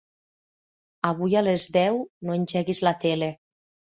Avui a les deu no engeguis la tele.